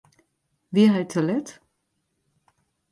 Wie hy te let?